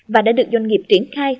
và đã được doanh nghiệp triển khai